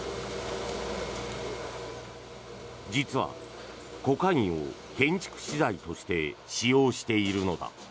実は、コカインを建築資材として使用しているのだ。